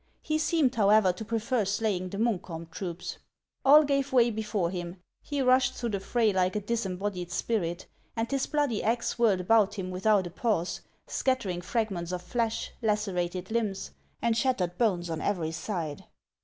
He seemed, however, to prefer slaying the Munkholrn troops. All gave way before him ; he rushed through the fray like a disembodied spirit ; and his bloody axe whirled about him without a pause, scattering frag ments of flesh, lacerated limbs, and shattered bones on every side.